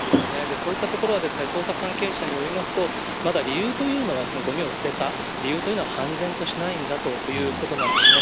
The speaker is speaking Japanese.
そういったところは捜査関係者によりますと、まだ理由というのは、そのごみを捨てた理由というのは、判然としないんだということなんですね。